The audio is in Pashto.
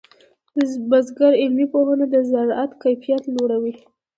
د بزګر علمي پوهه د زراعت کیفیت لوړوي.